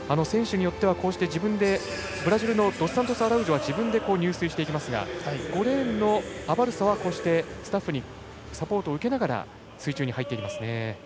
ブラジルのドスサントスアラウージョは自分で入水していきますが５レーンのアバルサはスタッフにサポートを受けながら水中に入っていきますね。